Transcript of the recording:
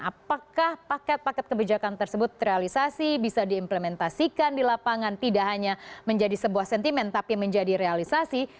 apakah paket paket kebijakan tersebut terrealisasi bisa diimplementasikan di lapangan tidak hanya menjadi sebuah sentimen tapi menjadi realisasi